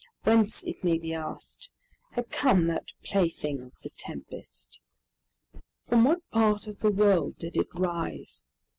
Whence, it may be asked, had come that plaything of the tempest? From what part of the world did it rise?